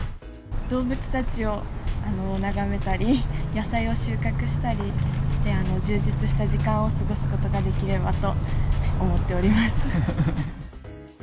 動物たちを眺めたり野菜を収穫したりして充実した時間を過ごすことができればと思っております。